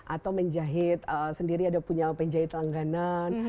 atau menjahit sendiri ada punya penjahit langganan